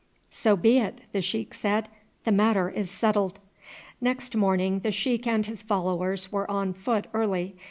"So be it," the sheik said; "the matter is settled." Next morning the sheik and his followers were on foot early.